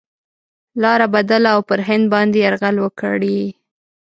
لاره بدله او پر هند باندي یرغل وکړي.